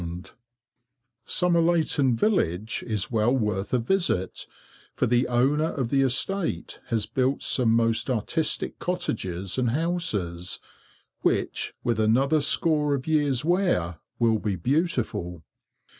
[Picture: Dace] Somerleyton village is well worth a visit, for the owner of the estate has built some most artistic cottages and houses, which, with another score of years' wear, will be beautiful.